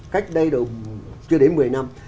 cách đây chưa đến một mươi năm